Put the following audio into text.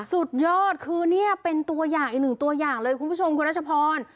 สุดยอดคือเนี่ยเป็นตัวอย่างอีกหนึ่งตัวอย่างเลยคุณผู้ชมคุณรัชพร